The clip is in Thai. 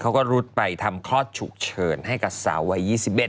เขาก็รุดไปทำคลอดฉุกเฉินให้กับสาววัย๒๑